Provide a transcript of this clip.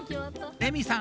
レミさん